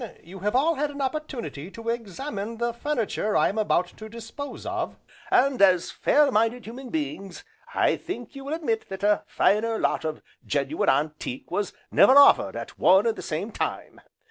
you have all had an opportunity to examine the furniture I am about to dispose of, and, as fair minded human beings I think you will admit that a finer lot of genuine antique was never offered at one and the same time.